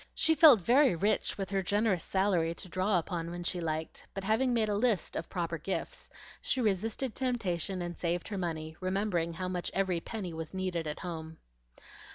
She felt very rich with her generous salary to draw upon when she liked; but having made a list of proper gifts, she resisted temptation and saved her money, remembering how much every penny was needed at home.